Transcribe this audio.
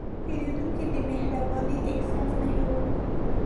پیرودونکی د مهربانۍ احساس نه هېروي.